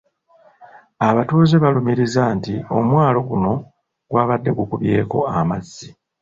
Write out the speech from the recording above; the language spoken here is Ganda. Abatuuze balumiriza nti omwalo guno gwabadde gukubyeko amazzi.